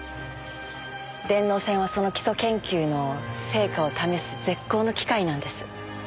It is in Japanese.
電脳戦はその基礎研究の成果を試す絶好の機会なんです。